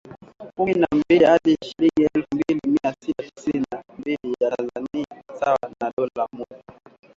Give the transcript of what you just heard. kumi na mbili hadi shilingi elfu mbili mia sita tisini na mbili za Tanzania sawa na dola mmoja